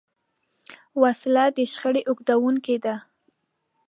وسله د شخړې اوږدوونکې ده